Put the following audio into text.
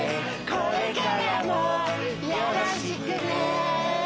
「これからもよろしくね」